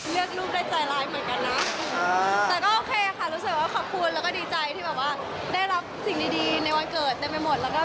เลือกรูปได้ใจร้ายเหมือนกันนะ